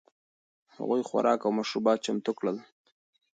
هغوی خوراک او مشروبات چمتو کړل.